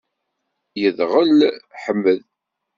Yedɣel Ḥmed.